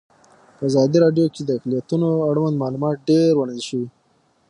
په ازادي راډیو کې د اقلیتونه اړوند معلومات ډېر وړاندې شوي.